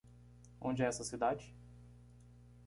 Onde é essa cidade?